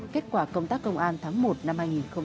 kết quả công tác công an tháng một năm hai nghìn hai mươi ba